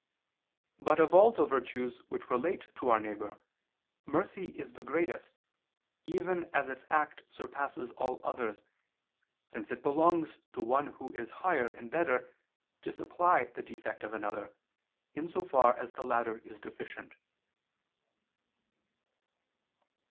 But of all the virtues which relate to our neighbor, mercy is the greatest, even as its act surpasses all others, since it belongs to one who is higher and better to supply the defect of another, in so far as the latter is deficient.